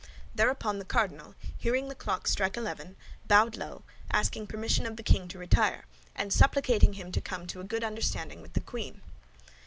Thereupon the cardinal, hearing the clock strike eleven, bowed low, asking permission of the king to retire, and supplicating him to come to a good understanding with the queen.